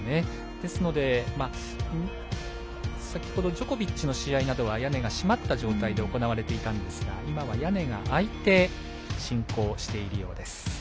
ですので、先ほどジョコビッチの試合などは屋根が閉まった状態で行われていたんですが今は屋根が開いて進行しているようです。